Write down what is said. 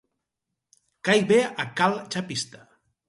Caic bé a cal xapista.